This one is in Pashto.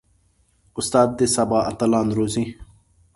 استاد د سبا اتلان روزي.